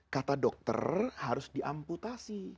kata dokter harus diamputasi